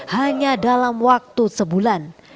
hanya dalam waktu sebulan